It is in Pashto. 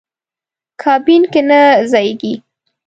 کابین کې نه ځایېږي.